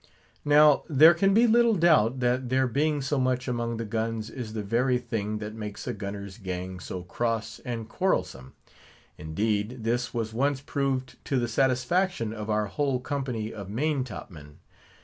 Now, there can be little doubt, that their being so much among the guns is the very thing that makes a gunner's gang so cross and quarrelsome. Indeed, this was once proved to the satisfaction of our whole company of main top men.